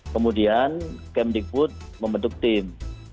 kemudian kemdikbud memeduktif